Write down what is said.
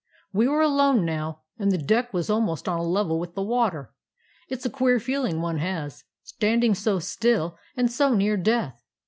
"We were alone now, and the deck was almost on a level with the water. It 's a queer feeling one has, standing so still and so near death.